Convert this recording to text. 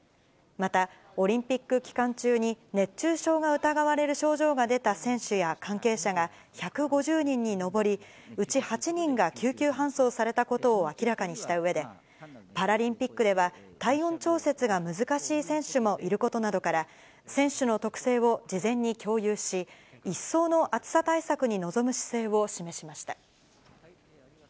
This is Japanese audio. またオリンピック期間中に、熱中症が疑われる症状が出た選手や関係者が１５０人に上り、うち８人が救急搬送されたことを明らかにしたうえで、パラリンピックでは、体温調節が難しい選手もいることなどから、選手の特性を事前に共有し、一層の暑さ対策に臨む姿勢を示しました。